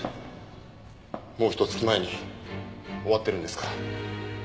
もうひと月前に終わってるんですから。